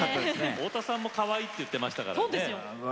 太田さんもかわいいと言っていましたから。